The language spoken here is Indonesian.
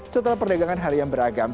setelah perdagangan hari yang beragam